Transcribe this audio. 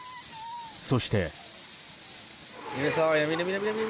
そして。